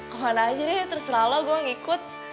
kemana aja deh terus selalu gue ngikut